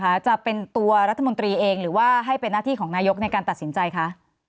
จะเป็นตัวรัฐมนตรีเองหรือว่าให้เป็นหน้าที่ของนายกในการตัดสินใจคะ